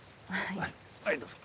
はいどうぞ。